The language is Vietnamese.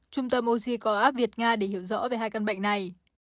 trung tâm oxyco ap việt nga để hiểu rõ về hai căn bệnh này